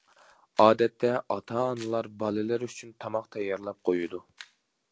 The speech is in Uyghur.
ئادەتتە ئاتا-ئانىلار بالىلىرى ئۈچۈن تاماق تەييارلاپ قويىدۇ.